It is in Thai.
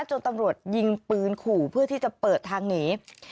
จนตำรวจยิงปืนขู่เพื่อที่จะเปิดทางหนี